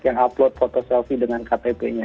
yang upload foto selfie dengan ktp nya